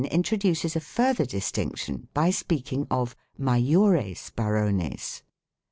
Chap ter 14 introduces a further distinction by speaking of " majores barones ".